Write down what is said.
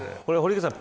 堀池さん